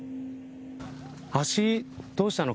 足、どうしたの。